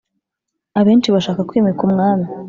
abenshi bashaka kwimika umwami